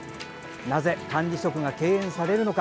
なぜ管理職が敬遠されるのか。